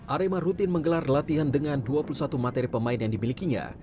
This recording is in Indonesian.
arema rutin menggelar latihan dengan dua puluh satu materi pemain yang dimilikinya